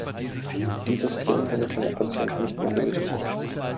Dieses Grinsen kann der Patient nicht mehr lösen.